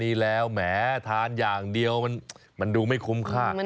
นี่แล้วแหมทานอย่างเดียวมันดูไม่คุ้มค่า